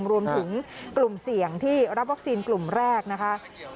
รวมถึงกลุ่มเสี่ยงที่รับวัคซีนกลุ่มแรกนะคะ